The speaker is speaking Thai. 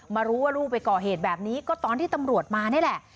มารู้ว่าลูกไปก่อเหตุแบบนี้ก็ตอนที่ตำรวจมานี่แหละ